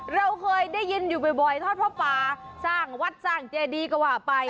เราเคยได้ยินอยู่บ่อยทอดพระป่าสร้างวัดสร้างเจดีก็ว่าไป